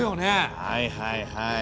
はいはいはい。